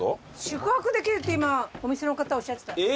宿泊できるって今お店の方おっしゃってた。